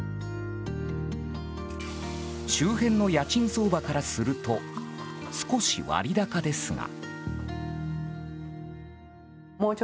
周辺の家賃相場からすると少し割高ですが。